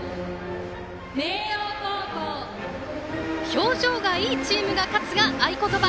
「表情がいいチームが勝つ」が合言葉。